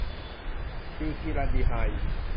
บิวธีรัลดีไฮด์